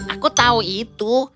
aku tahu itu